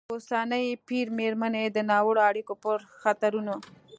د اوسني پېر مېرمنې د ناوړه اړیکو پر خطرونو